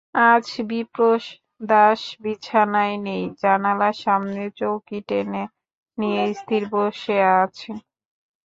আজ বিপ্রদাস বিছানায় নেই, জানলার সামনে চৌকি টেনে নিয়ে স্থির বসে আছে।